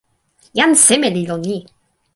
jan seme li lon ni?